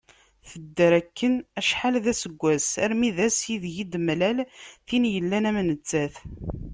Tedder akken acḥal d aseggas armi d ass i deg-i d-temlal tin yellan am nettat.